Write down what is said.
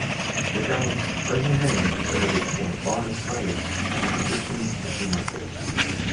The town's present name is Arabic for "Father Cyrus", an Egyptian Christian martyr.